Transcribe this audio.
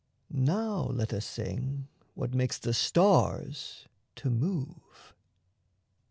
Now let us sing what makes the stars to move.